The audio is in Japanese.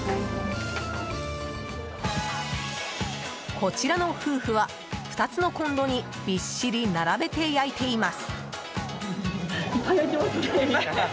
こちらの夫婦は２つのコンロにびっしり並べて焼いています。